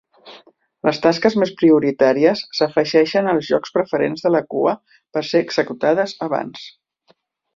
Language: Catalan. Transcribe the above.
Les tasques més prioritàries s'afegeixen als llocs preferents de la cua per ser executades abans.